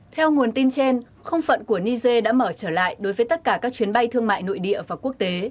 theo nguồn tin trên không phận của niger đã mở trở lại đối với tất cả các chuyến bay thương mại nội địa và quốc tế